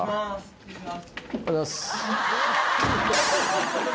失礼します。